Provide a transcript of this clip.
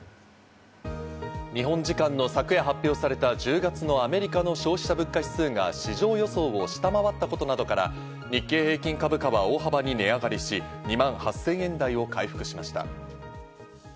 日本時間の昨夜発表された、１０月のアメリカの消費者物価指数が、市場予想を下回ったことなどから、日経平均株価は大幅に値上がりし、２万８０００円台を回復しました。